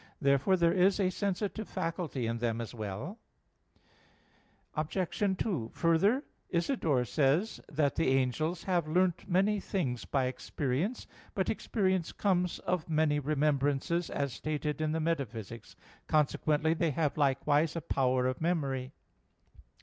Therefore there is a sensitive faculty in them as well. Obj. 2: Further, Isidore says (De Summo Bono) that the angels have learnt many things by experience. But experience comes of many remembrances, as stated in Metaph. i, 1. Consequently they have likewise a power of memory.